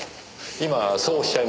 今そうおっしゃいました。